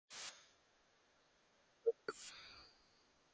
クロアチアの首都はザグレブである